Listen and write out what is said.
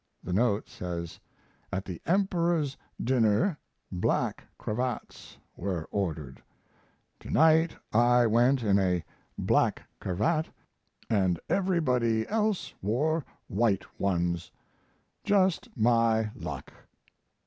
The note says: At the Emperor's dinner black cravats were ordered. Tonight I went in a black cravat and everybody else wore white ones. Just my luck.